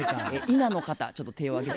否の方ちょっと手を挙げて。